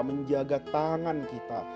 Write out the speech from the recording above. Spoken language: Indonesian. menjaga tangan kita